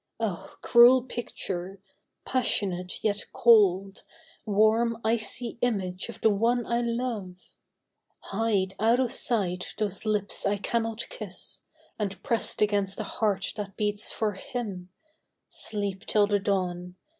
Oh ! cruel picture ! passionate yet cold, Warm icy image of the one I love ! Hide out of sight those lips I cannot kiss, And press'd against the heart that beats for him^ Sleep till the dawn.